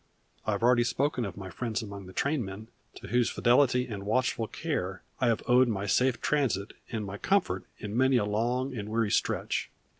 I have already spoken of my friends among the trainmen, to whose fidelity and watchful care I have owed my safe transit and my comfort in many a long and weary stretch.